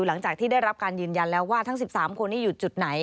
หลังจากที่ได้รับการยืนยันแล้วว่าทั้ง๑๓คนนี้อยู่จุดไหน